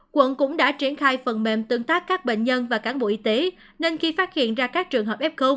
quận cũng đã triển khai phần mềm tương tác các bệnh nhân và cán bộ y tế nên khi phát hiện ra các trường hợp f